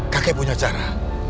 kakek punya cara